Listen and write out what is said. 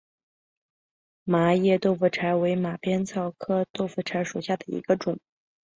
麻叶豆腐柴为马鞭草科豆腐柴属下的一个种。